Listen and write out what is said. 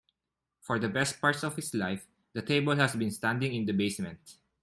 For the best part of its life, the table has been standing in the basement.